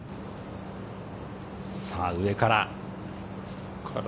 さあ、上から。